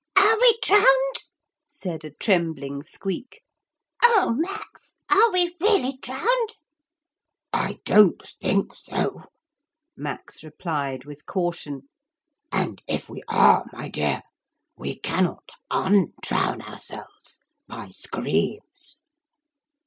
'Are we drowned?' said a trembling squeak. 'Oh, Max, are we really drowned?' 'I don't think so,' Max replied with caution. 'And if we are, my dear, we cannot undrown ourselves by screams.'